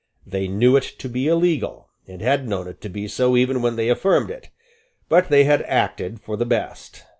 They knew it to be illegal, and had known it to be so even when they affirmed it. But they had acted for the best.